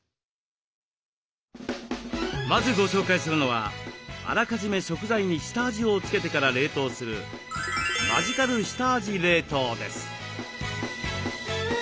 まずご紹介するのはあらかじめ食材に下味をつけてから冷凍する「マジカル下味冷凍」です。